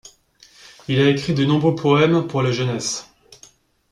Il a écrit de nombreux poèmes pour la jeunesse.